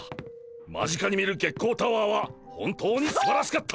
間近に見る月光タワーは本当にすばらしかった！